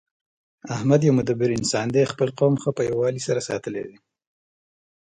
احمد یو مدبر انسان دی. خپل قوم ښه په یووالي سره ساتلی دی